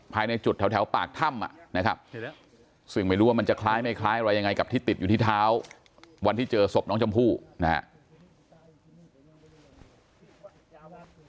ภายในจุดแถวปากถ้ำนะครับซึ่งไม่รู้ว่ามันจะคล้ายไม่คล้ายอะไรยังไงกับที่ติดอยู่ที่เท้าวันที่เจอศพน้องชมพู่นะครับ